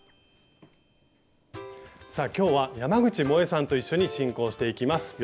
さあ今日は山口もえさんと一緒に進行していきます。